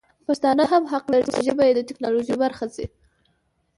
پښتانه هم حق لري چې ژبه یې د ټکنالوژي برخه شي.